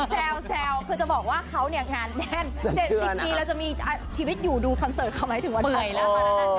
ผมรู้แซวคือจะบอกว่าเขาเนี่ยงานแด่น๗๐ปีก็จะมีชีวิตอยู่ดูพาร์นเซิร์ตเขาไหมถึงวันใหม่